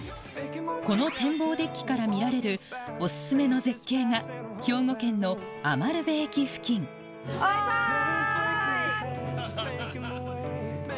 この展望デッキから見られるオススメの絶景が兵庫県の餘部駅付近バイバイ！